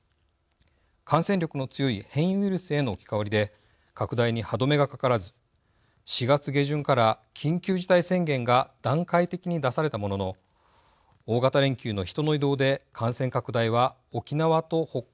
感染力の強い変異ウイルスへの置き換わりで拡大に歯止めがかからず４月下旬から緊急事態宣言が段階的に出されたものの大型連休の人の移動で感染拡大は沖縄と北海道にも広がりました。